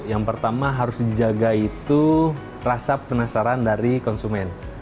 yang pertama harus dijaga itu rasa penasaran dari konsumen